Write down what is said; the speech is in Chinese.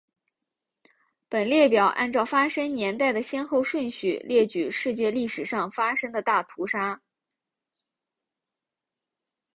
本列表按照发生年代的先后顺序列举世界历史上发生的大屠杀。